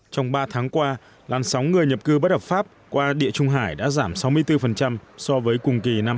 trong ba tháng qua làn sóng người nhập cư bất hợp pháp qua địa trung hải đã giảm sáu mươi bốn so với cùng kỳ năm hai nghìn một mươi tám